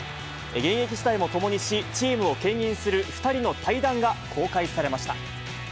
現役時代も共にし、チームをけん引する２人の対談が公開されました。